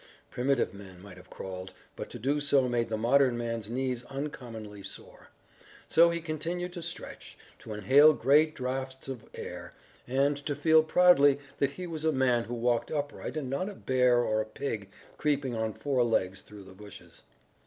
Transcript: Primitive men might have crawled, but to do so made the modern man's knees uncommonly sore. So he continued to stretch, to inhale great draughts of air, and to feel proudly that he was a man who walked upright and not a bear or a pig creeping on four legs through the bushes.